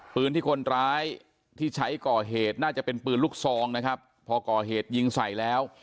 ปืนที่คนร้ายที่ใช้ก่อเหตุน่าจะเป็นปืนลูกซองนะครับพอก่อเหตุยิงใส่แล้ว